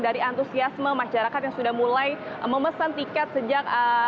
dari antusiasme masyarakat yang sudah mulai memesan tiket sejak